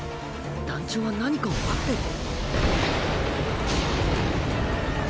団長は何かを待ってる？